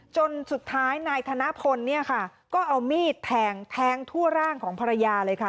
จนสุดท้ายนายธนพลเนี่ยค่ะก็เอามีดแทงแทงทั่วร่างของภรรยาเลยค่ะ